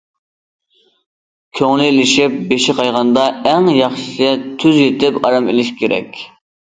كۆڭلى ئېلىشىپ، بېشى قايغاندا، ئەڭ ياخشىسى تۈز يېتىپ ئارام ئېلىشى كېرەك.